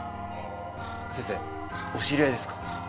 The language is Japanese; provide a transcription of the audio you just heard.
先生お知り合いですか？